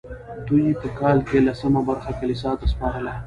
دوی په کال کې لسمه برخه کلیسا ته سپارله.